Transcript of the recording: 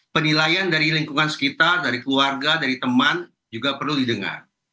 penilaian dari lingkungan sekitar dari keluarga dari teman juga perlu didengar